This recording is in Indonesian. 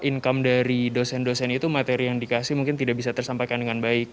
income dari dosen dosen itu materi yang dikasih mungkin tidak bisa tersampaikan dengan baik